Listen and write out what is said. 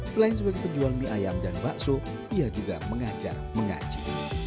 selain sebagai penjual mie ayam dan bakso ia juga mengajar mengaji